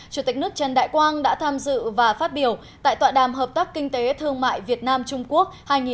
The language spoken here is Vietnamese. chủ tịch nước trần đại quang đã tham dự và phát biểu tại tọa đàm hợp tác kinh tế thương mại việt nam trung quốc hai nghìn hai mươi